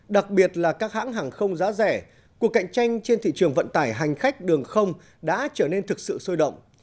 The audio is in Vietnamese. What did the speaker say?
đặc biệt là các hãng hàng không giá rẻ cuộc cạnh tranh trên thị trường vận tải hành khách đường không đã trở nên thực sự sôi động